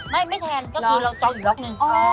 ไม่แทนก็คือเราจองอีกล็อกนึง